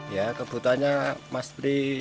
ya kebutuhannya mas pri